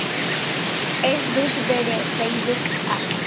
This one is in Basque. Ez dut bere Facebook-a.